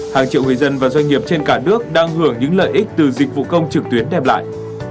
hàng triệu người dân và doanh nghiệp trên cả nước đang hưởng những lợi ích từ dịch vụ công trực tuyến đem lại